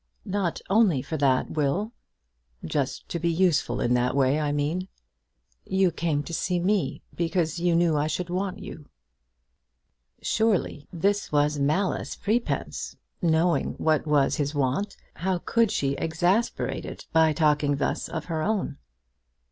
"Not only for that, Will?" "Just to be useful in that way, I mean." "You came to see me, because you knew I should want you." Surely this was malice prepense! Knowing what was his want, how could she exasperate it by talking thus of her own?